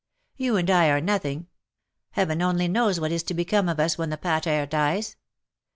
You and I are nothing. Heaven only knows what is to become of us when the pater dies.